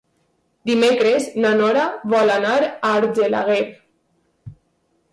Dimecres na Nora vol anar a Argelaguer.